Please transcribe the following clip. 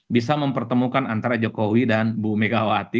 bisa mempertemukan antara jokowi dan bu megawati